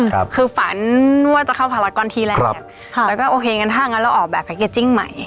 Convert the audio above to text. คือฝันว่าจะเข้าภารกรที่แรกค่ะแล้วก็โอเคงั้นถ้างั้นเราออกแบบแพ็กเกจจิ้งใหม่